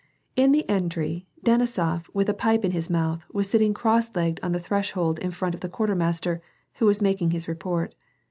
In the entry, Denisof, with a pipe in his mouth, was sitting cross legged on the threshold in front of the quartermaster, who was making his report.